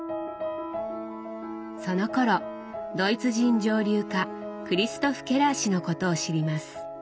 そのころドイツ人蒸留家クリストフ・ケラー氏のことを知ります。